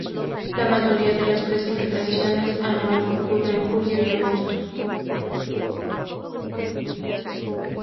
La mayoría de la precipitación anual ocurre en julio y agosto.